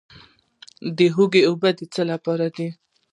د هوږې اوبه د څه لپاره دي؟